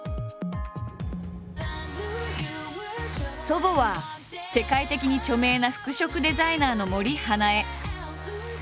祖母は世界的に著名な服飾デザイナーの森英恵。